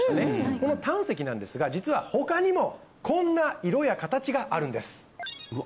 この胆石なんですが実は他にもこんな色や形があるんですうわ